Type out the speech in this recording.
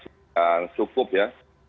ruang ic sudah cukup ya